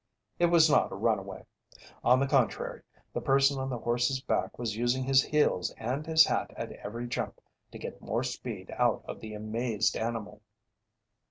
It was not a runaway. On the contrary, the person on the horse's back was using his heels and his hat at every jump to get more speed out of the amazed animal.